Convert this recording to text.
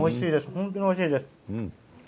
本当においしいです。